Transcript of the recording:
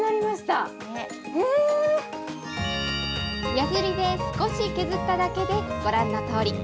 やすりで少し削っただけでご覧のとおり。